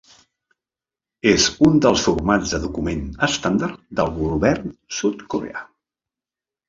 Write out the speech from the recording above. És un dels formats de document estàndard del govern sud-coreà.